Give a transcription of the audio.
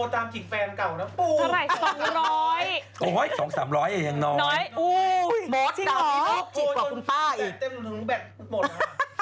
โทรศิกปียังน้อยพี่มศโทรตามจิดแฟนเก่านะ